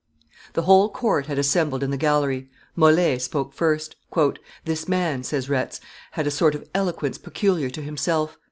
_] The whole court had assembled in the gallery: Mole spoke first. "This man," says Retz, "had a sort of eloquence peculiar to himself.